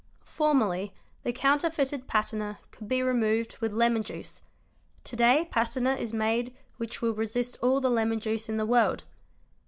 Formerly the counterfeited patina could be removed with lemon juice; to day patina is made which will resist all the lemon juice in the world.